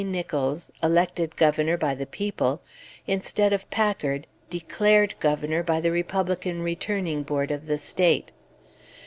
Nicholls, elected Governor by the people, instead of Packard, declared Governor by the Republican Returning Board of the State.